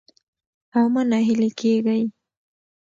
او مه ناهيلي کېږئ